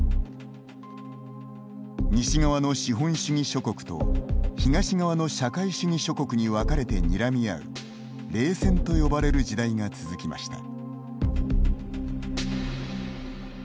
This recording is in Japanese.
西側の資本主義諸国と東側の社会主義諸国に分かれてにらみ合う冷戦と呼ばれる時代が続きました。